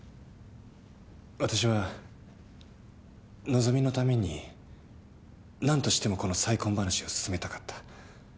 わたしは和希のために何としてもこの再婚話を進めたかった。